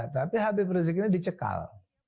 tapi rizik ini di cekal